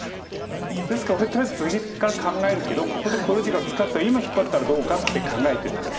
ですからとりあえずツギから考えるけどここで考慮時間使った今引っ張ったらどうかって考えてるんです。